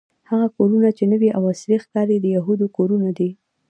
هغه کورونه چې نوې او عصري ښکاري د یهودو کورونه دي.